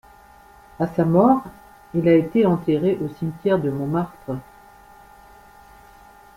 À sa mort, il a été enterré au cimetière de Montmartre.